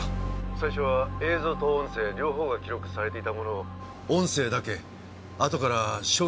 最初は映像と音声両方が記録されていたものを音声だけあとから消去したようです。